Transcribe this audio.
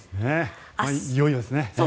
いよいよですね。